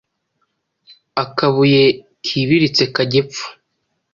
Akabuye kibiritse kajya epfo,